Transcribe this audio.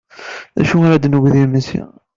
D acu ara d-neg d imensi?